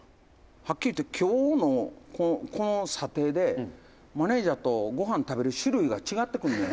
「はっきり言って今日の、この査定でマネジャーとごはん食べる種類が違ってくんねん」